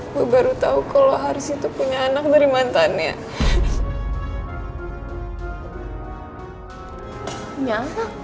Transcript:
gue baru tahu kalau haris itu punya anak dari mantannya nyangka